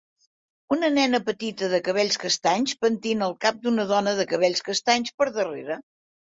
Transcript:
Una nena petita de cabells castanys pentina el cap d'una dona de cabells castanys per darrere.